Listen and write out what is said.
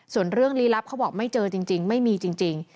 ส่วนเรื่องลี้ลับเขาบอกไม่เจอจริงไม่มีจริง